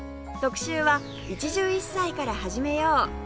特集は「一汁一菜から始めよう！」